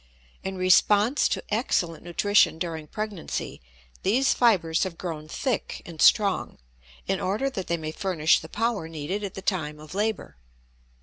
In response to excellent nutrition during pregnancy, these fibers have grown thick and strong, in order that they may furnish the power needed at the time of labor.